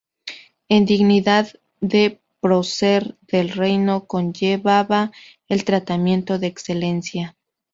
El dignidad de Prócer del Reino conllevaba el tratamiento de Excelencia.